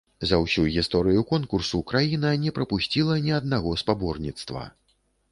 За ўсю гісторыю конкурсу краіна не прапусціла ні аднаго спаборніцтва.